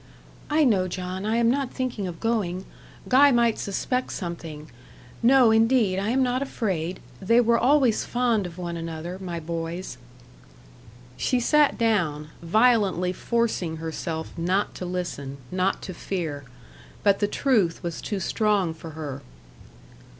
"I know, John. I am not thinking of going. Guy might suspect something. No, indeed I am not afraid. They were always fond of one another my boys." She sat down, violently forcing herself not to listen, not to fear. But the truth was too strong for her.